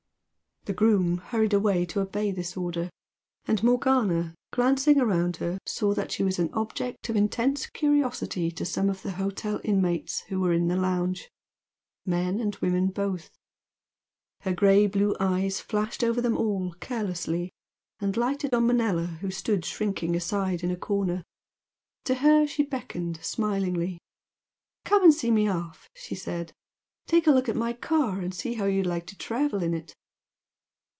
The groom hurried away to obey this order, and Morgana glancing around her saw that she was an object of intense curiosity to some of the hotel inmates who were in the lounge men and women both. Her grey blue eyes flashed over them all carelessly and lighted on Manella who stood shrinking aside in a corner. To her she beckoned smilingly. "Come and see me off!" she said "Take a look at my car and see how you'd like to travel in it!"